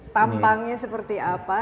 tampangnya seperti apa